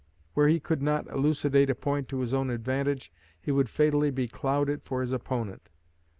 Where he could not elucidate a point to his own advantage, he would fatally becloud it for his opponent.